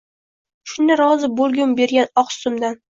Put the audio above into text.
Shunda rozi bulgum bergan oq sutimdan